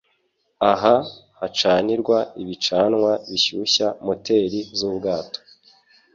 Aha hacanirwa ibicanwa bishyushya moteri z'ubwato